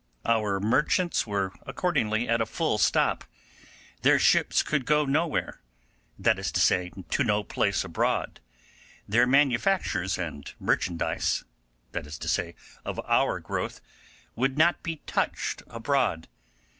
Our merchants were accordingly at a full stop; their ships could go nowhere—that is to say, to no place abroad; their manufactures and merchandise—that is to say, of our growth—would not be touched abroad.